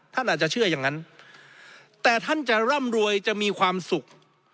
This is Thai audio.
ท่านอาจจะเชื่ออย่างนั้นแต่ท่านจะร่ำรวยจะมีความสุข